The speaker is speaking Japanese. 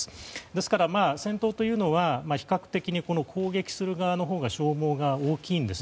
ですから戦闘というのは比較的、攻撃する側のほうが消耗が大きいんです。